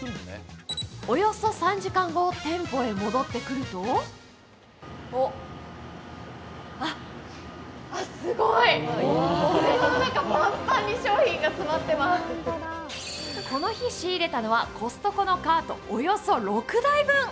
およそ３時間後、店舗へ戻ってくるとこの日、仕入れたのはコストコのカートおよそ６台分。